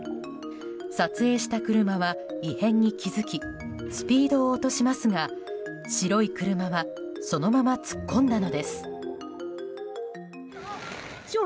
撮影した車は異変に気付きスピードを落としますが白い車はそのまま突っ込んだのです。